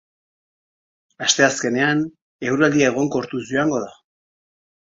Asteazkenean, eguraldia egonkortuz joango da.